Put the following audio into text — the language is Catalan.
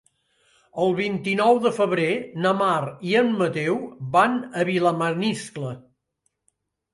El vint-i-nou de febrer na Mar i en Mateu van a Vilamaniscle.